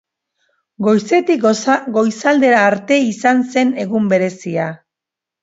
Goizetik goizaldera arte izan zen egun berezia.